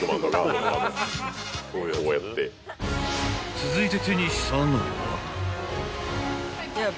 ［続いて手にしたのは］